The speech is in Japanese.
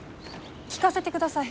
聞かせてください。